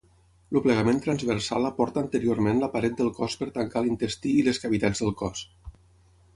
El plegament transversal aporta anteriorment la paret del cos per tancar l'intestí i les cavitats del cos.